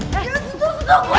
jangan terus jago gua